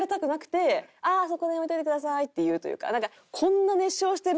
「ああそこに置いといてください」って言うというか。